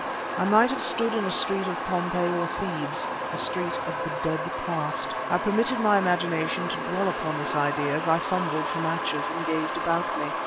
I might have stood in a street of Pompeii or Thebes a street of the dead past. I permitted my imagination to dwell upon this idea as I fumbled for matches and gazed about me.